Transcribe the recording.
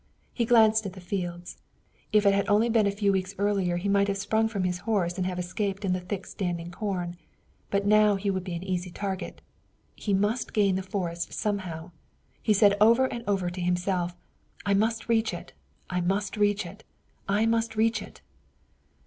He glanced at the fields. If it had been only a few weeks earlier he might have sprung from his horse and have escaped in the thick and standing corn, but now he would be an easy target. He must gain the forest somehow. He said over and over to himself, "I must reach it! I must reach it! I must reach it!"